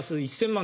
１０００万